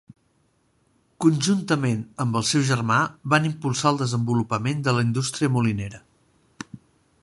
Conjuntament amb el seu germà van impulsar el desenvolupament de la indústria molinera.